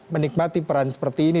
menikmati peran seperti ini